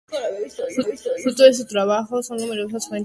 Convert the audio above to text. Fruto de su trabajo son numerosas fuentes públicas.